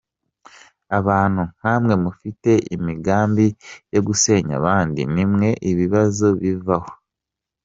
Abantu nkamwe mufite imigambi yo gusenya abandi nimwe ibibazo bivaho.